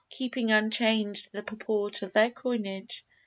Keeping unchanged The purport of their coinage.